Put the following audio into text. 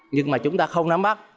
nhưng mà chúng ta không nắm bắt